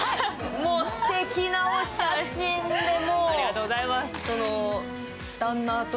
もう、すてきなお写真で。